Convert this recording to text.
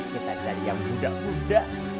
kita jadi yang budak budak